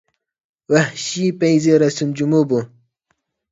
ۋەھشىي پەيزى رەسىم جۇمۇ بۇ!